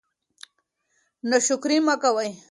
ناشکري مه کوئ.